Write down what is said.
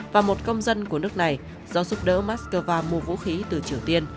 và một công dân của nước này do giúp đỡ moscow mua vũ khí từ triều tiên